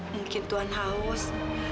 mungkin tuan haus